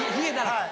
はい。